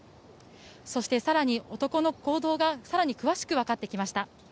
そして、更に男の行動が詳しくわかってきました。